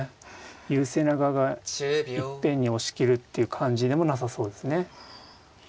優勢な側がいっぺんに押し切るっていう感じでもなさそうですね。